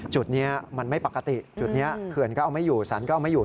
จุดนี้มันไม่ปกติจุดนี้เขื่อนก็เอาไม่อยู่สรรก็เอาไม่อยู่